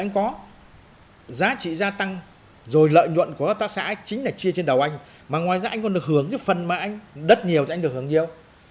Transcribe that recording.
các hợp tác xã chính là chia trên đầu anh mà ngoài ra anh còn được hưởng những phần mà anh đất nhiều thì anh được hưởng nhiều